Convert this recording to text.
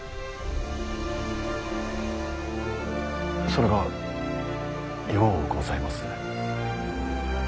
それがようございます。